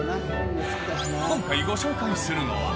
今回、ご紹介するのは。